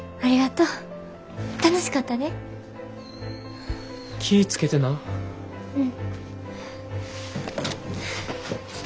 うん。